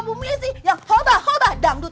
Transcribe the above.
bu messi yang hoba hoba dangdut